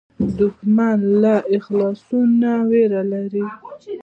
دښمن له اخلاص نه وېره لري